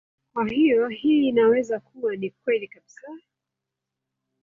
Kwa hiyo hii inaweza kuwa si kweli kabisa.